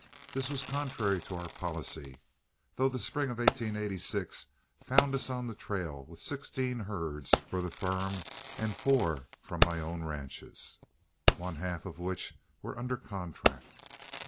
This was contrary to our policy, though the spring of 1886 found us on the trail with sixteen herds for the firm and four from my own ranches, one half of which were under contract.